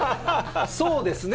そうですね。